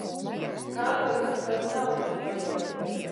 Kam tad mums tās naudas vajag.